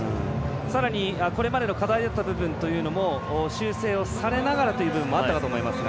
さらに、これまでの課題だったという部分も修正をされながらという部分もあったかと思いますが。